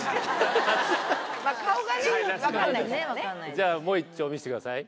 じゃあもう一丁見せてください。